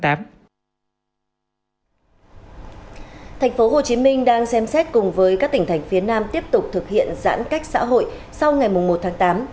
thành phố hồ chí minh đang xem xét cùng với các tỉnh thành phía nam tiếp tục thực hiện giãn cách xã hội sau ngày một tháng tám